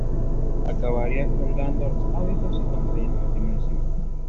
Acabaría colgando los hábitos y contrayendo matrimonio civil.